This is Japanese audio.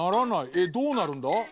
えっどうなるんだ？